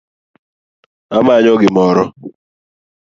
Amanyo gimiro